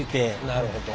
なるほど。